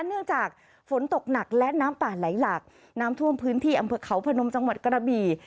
เนื่องจากฝนตกหนักและน้ำป่าไหลหลากน้ำท่วมพื้นที่อำเภอเขาพนมจังหวัดกระบี่